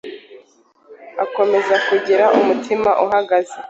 akomeza kugira umutima uhagaze